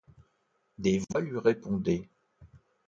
Des voix lui répondaient.